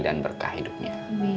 dan berkah hidupnya